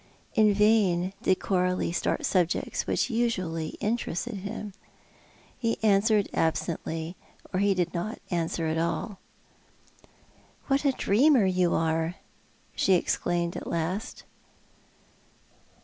In vain did Coralie start subjects which usually interested him. He answered absently, or did not answer at all. " What a dreamer you are," she exclaimed at last.